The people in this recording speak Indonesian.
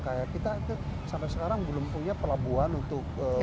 kayak kita itu sampai sekarang belum punya pelabuhan untuk